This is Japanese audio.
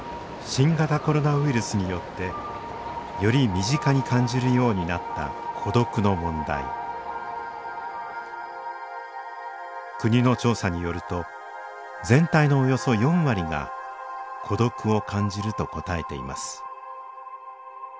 新型コロナウイルスによってより身近に感じるようになった孤独の問題国の調査によると全体のおよそ４割が孤独を感じると答えています